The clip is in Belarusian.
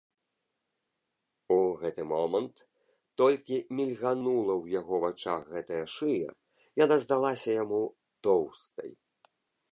У гэты момант толькі мільганула ў яго вачах гэтая шыя, яна здалася яму тоўстай.